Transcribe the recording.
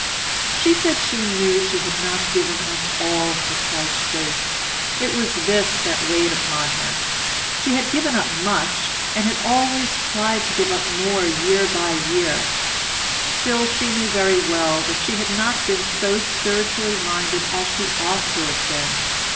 She said she knew she had not given up all for Christ's sake; it was this that weighed upon her. She had given up much, and had always tried to give up more year by year, still she knew very well that she had not been so spiritually minded as she ought to have been.